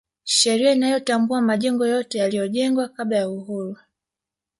sheria inayatambua majengo yote yaliyojengwa kabla ya uhuru